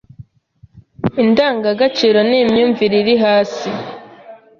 Indangagaciro ni imyumvire iri hasi